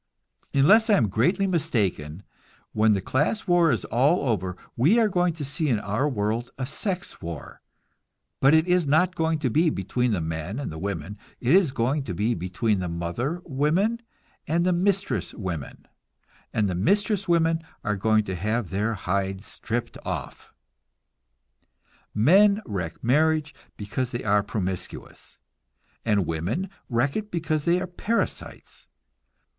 Unless I am greatly mistaken, when the class war is all over we are going to see in our world a sex war; but it is not going to be between the men and the women, it is going to be between the mother women and the mistress women, and the mistress women are going to have their hides stripped off. Men wreck marriage because they are promiscuous; and women wreck it because they are parasites.